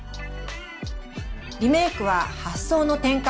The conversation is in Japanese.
リメークは発想の転換！